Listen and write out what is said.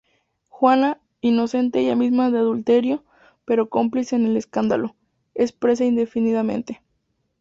Juana, inocente ella misma de adulterio, pero cómplice en el escándalo, es presa indefinidamente.